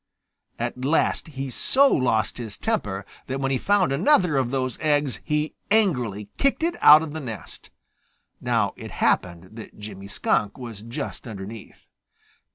At last he so lost his temper that when he found another of those eggs he angrily kicked it out of the nest. Now it happened that Jimmy Skunk was just underneath.